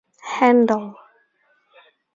Handl.